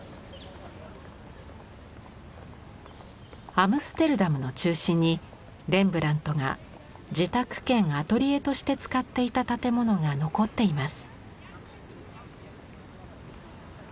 アムステルダムの中心にレンブラントが自宅兼アトリエとして使っていた建物が残っています。